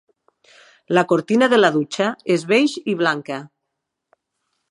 La cortina de la dutxa és beix i blanca.